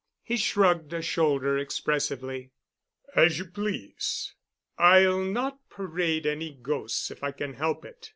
He shrugged a shoulder expressively. "As you please. I'll not parade any ghosts if I can help it.